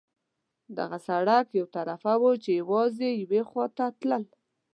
دغه سړک یو طرفه وو، چې یوازې یوې خوا ته تلل.